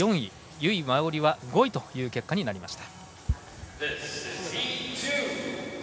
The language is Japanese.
由井真緒里は５位という結果になりました。